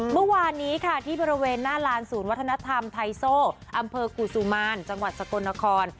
เมื่อวานนี้ค่ะที่บริเวณหน้าลานศูนย์วัฒนธรรมไทโซอำเภอกุศุมารจังหวัดสกลนคร